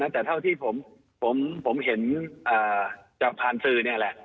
แต่เท่าที่ผมเห็นจากผ่านสื่อนี่แหละ